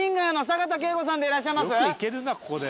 よくいけるなここで。